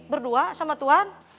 berdua sama tuhan